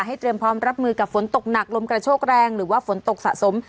เตรียมพร้อมรับมือกับฝนตกหนักลมกระโชกแรงหรือว่าฝนตกสะสม